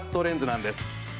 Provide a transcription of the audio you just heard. レンズなんです。